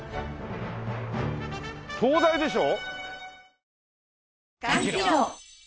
東大でしょ？